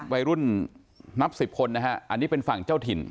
วัยรุ่นนับสิบคนนะฮะอันนี้เป็นฝั่งเจ้าถิ่น